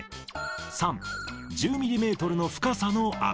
３、１０ミリメートルの深さの雨。